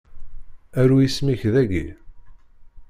Aru isem-ik dagi.